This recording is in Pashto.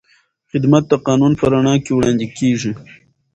خدمت د قانون په رڼا کې وړاندې کېږي.